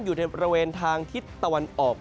อยู่ในบริเวณทางทิศตะวันออก